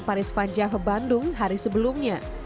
paris fajah bandung hari sebelumnya